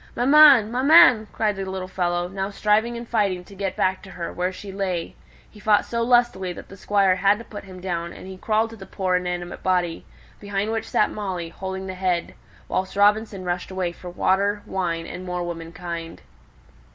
"Maman, maman!" cried the little fellow, now striving and fighting to get back to her, where she lay; he fought so lustily that the Squire had to put him down, and he crawled to the poor inanimate body, behind which sat Molly, holding the head; whilst Robinson rushed away for water, wine, and more womankind.